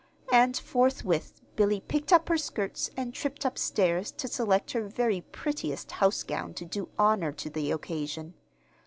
And forthwith Billy picked up her skirts and tripped up stairs to select her very prettiest house gown to do honor to the occasion.